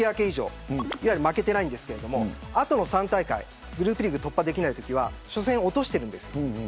以上いわゆる負けていないんですがあとの３大会はグループリーグを突破できないときは初戦を落としているんです。